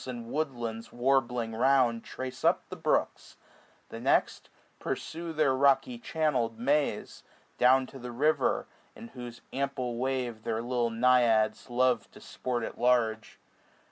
And woodlands warbling round, trace up the brooks ; The next, pursue their rocky channel'd maze, Down to the river, in whose ample wave Their little naiads love to sport at large.